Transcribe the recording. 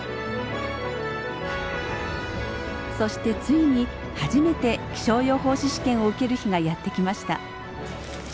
そしてついに初めて気象予報士試験を受ける日がやってきました。